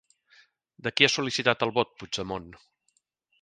De qui ha sol·licitat el vot Puigdemont?